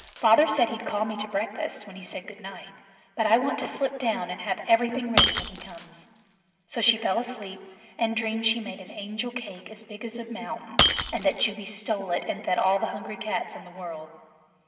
Father said he'd call me to breakfast, when he said "Good night," but I want to slip down, and have everything ready when he comes." So she fell asleep, and dreamed she made an Angel Cake as big as a mountain, and that Jubey stole it, and fed all the hungry cats in the World. [Illustration: Jubey fed all the hungry cats in the world.